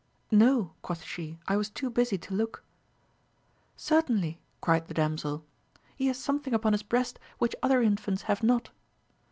No, quoth she, I was too busy to look. Certainly, cried the damsel, he has something upon his breast which other infants have not.